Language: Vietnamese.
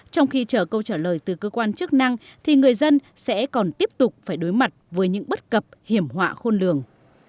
trong khi chờ câu trả lời từ cơ quan chức năng thì người dân sẽ còn tiếp tục phải đối mặt với những bất cập hiểm họa khôn lường